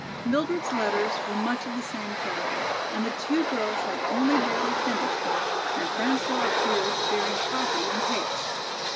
Mildred's letters were much of the same character, and the two girls had only barely finished them when François appeared bearing coffee and cakes.